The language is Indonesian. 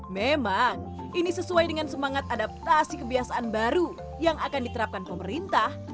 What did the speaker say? memang ini sesuai dengan semangat adaptasi kebiasaan baru yang akan diterapkan pemerintah